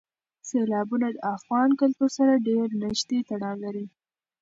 سیلابونه د افغان کلتور سره ډېر نږدې تړاو لري.